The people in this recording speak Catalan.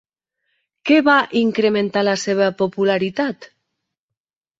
Què va incrementar la seva popularitat?